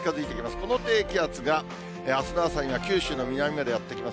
この低気圧があすの朝には九州の南までやって来ます。